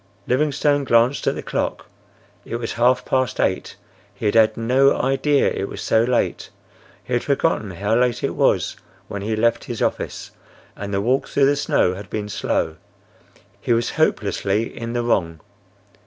Livingstone glanced at the clock. It was half past eight. He had had no idea it was so late. He had forgotten how late it was when he left his office, and the walk through the snow had been slow. He was hopelessly in the wrong.